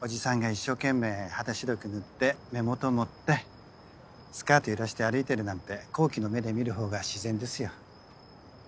おじさんが一生懸命肌白く塗って目元盛ってスカート揺らして歩いてるなんて好奇の目で見る方が自然ですよ。